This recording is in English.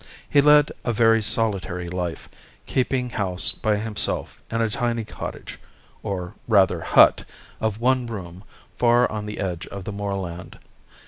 He led a very solitary life, keeping house by himself in a tiny cottage, or rather hut, of one room, far on the edge of the moorland.